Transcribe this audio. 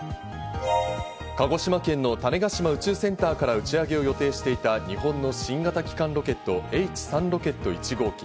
鹿児島県の種子島宇宙センターから打ち上げを予定していた日本の新型基幹ロケットＨ３ロケット１号機。